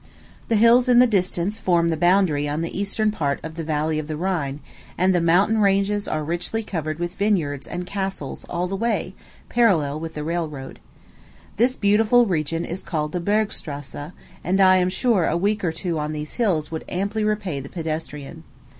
The hills in the distance form the boundary on the eastern part of the valley of the Rhine; and the mountain ranges are richly covered with vineyards and castles all the way, parallel with the railroad. This beautiful region is called the Bergstrasse, and I am sure a week or two on these hills would amply repay the pedestrian.